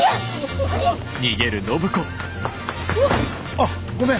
あっごめん。